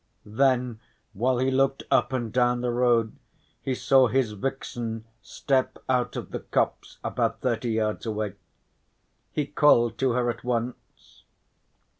Then while he looked up and down the road, he saw his vixen step out of the copse about thirty yards away. He called to her at once.